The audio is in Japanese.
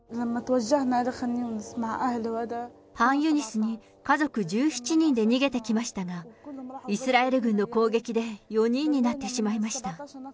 ハンユニスに家族１７人で逃げてきましたが、イスラエル軍の攻撃で４人になってしまいました。